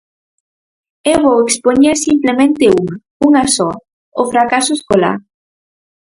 E vou expoñer simplemente unha, unha soa: o fracaso escolar.